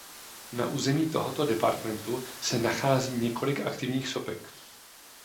Na území tohoto departementu se nachází několik aktivních sopek.